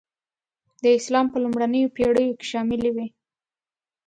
د اسلام په لومړنیو پېړیو کې شاملي وې.